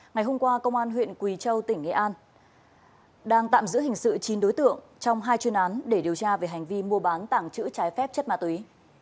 ngày hôm qua công an huyện quỳ châu tỉnh nghệ an đang tạm giữ hình sự chín đối tượng trong hai chuyên án để điều tra về hành vi mua bán tảng chữ trái phép chất ma túy